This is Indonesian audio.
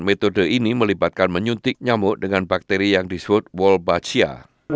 metode ini melibatkan menyuntik nyamuk dengan bakteri yang disebut wolbachia